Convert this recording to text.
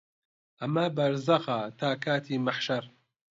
ئەمە بەرزەخە تا کاتی مەحشەر